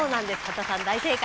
刄田さん大正解。